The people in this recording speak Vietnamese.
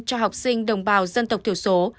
cho học sinh đồng bào dân tộc thiểu số